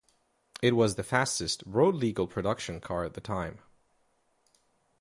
It was the fastest road legal production car at the time.